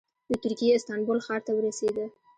د ترکیې استانبول ښار ته ورسېده.